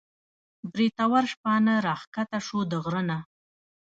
بریتور شپانه راکښته شو د غر نه